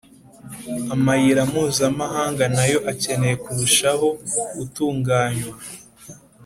amayira mpuzamahanga na yo akeneye kurushaho gutunganywa